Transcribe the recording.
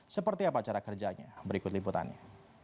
seperti apa cara kerjanya berikut liputannya